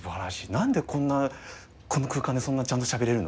何でこんなこんな空間でそんなちゃんとしゃべれるの？